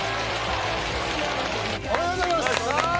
おめでとうございます！